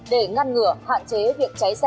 để ngăn ngửa hoạn chế việc cháy xe